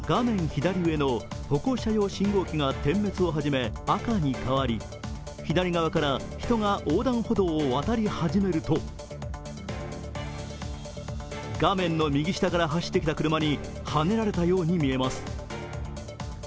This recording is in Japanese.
左上の歩行者用信号機が点滅を始め、赤に変わり左側から人が横断歩道を渡り始めると画面の右下から走ってきた車にはねられたように見えます。